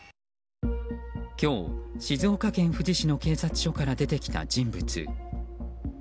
今日、静岡県富士市の警察署から出てきた人物。